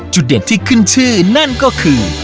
เด็ดที่ขึ้นชื่อนั่นก็คือ